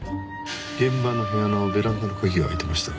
現場の部屋のベランダの鍵が開いてました。